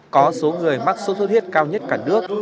có số người mắc sốt xuất huyết cao nhất cả nước